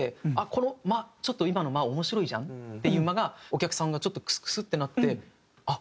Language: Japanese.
この間ちょっと今の間面白いじゃんっていう間がお客さんがちょっとクスクスってなってあっ